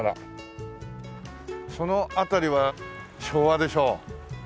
その辺りは昭和でしょう。